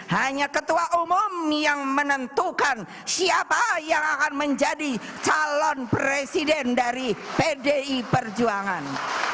hanya ketua umum yang menentukan siapa yang akan menjadi calon presiden dari pdi perjuangan